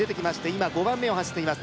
今５番目を走っています